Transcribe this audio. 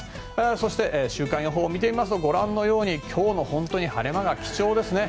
そして週間予報を見てみますとご覧のように今日の本当に晴れ間が貴重ですね。